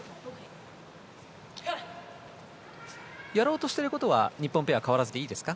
やろうとしていることは日本ペア変わらずでいいですか。